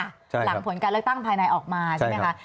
หลังผลการเลือกตั้งภายในออกมาใช่ไหมคะ